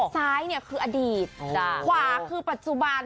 ซ้ายเนี่ยคืออดีตขวาคือปัจจุบัน